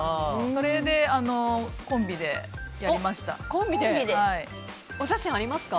それで、コンビでやりました。